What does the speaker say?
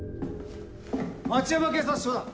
町山警察署だ！